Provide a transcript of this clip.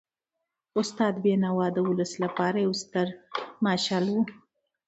استاد بینوا د ولس لپاره یو ستر مشعل و.